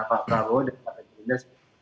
pak prabowo dan partai gerindra